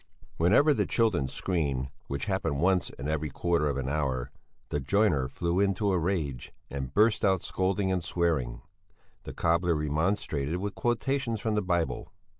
Whenever the children screamed, which happened once in every quarter of an hour, the joiner flew into a rage and burst out scolding and swearing; the cobbler remonstrated with quotations from the Bible.